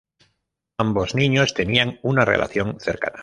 Ambos niños tenían una relación cercana.